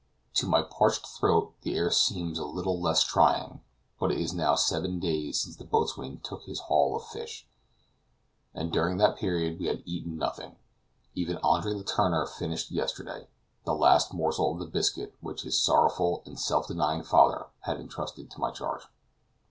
To my parched throat the air seemed a little less trying; but it is now seven days since the boatswain took his haul of fish, and during that period we had eaten nothing; even Andre Letourneur finished yesterday, the last morsel of the biscuit which his sorrowful and self denying father had intrusted to my charge.